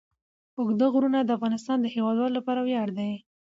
اوږده غرونه د افغانستان د هیوادوالو لپاره ویاړ دی.